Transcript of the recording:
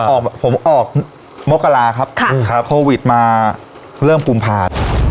ออกผมออกมกราครับค่ะครับโควิดมาเริ่มปุ่มพา